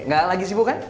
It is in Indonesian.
nggak lagi sibuk kan